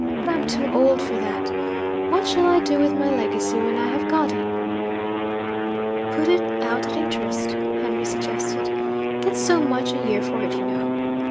But I'm too old for that. What shall I do with my legacy when I have got it?' 'Put it out at interest,' Henry suggested. 'Get so much a year for it, you know.'